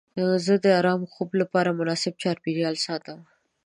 زه د ارام خوب لپاره مناسب چاپیریال ساتم.